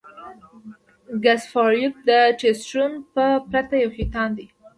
ګس فارویک د ټسټورسټون پرته یو شیطان دی